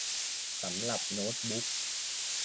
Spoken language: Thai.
สำหรับโน๊ตบุ๊ค